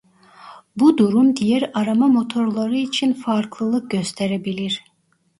Bu durum diğer arama motorları için farklılık gösterebilir.